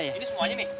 ini semuanya nih